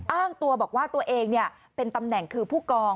อ้างตัวบอกว่าตัวเองเป็นตำแหน่งคือผู้กอง